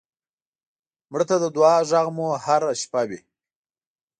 مړه ته د دعا غږ مو هر شپه وي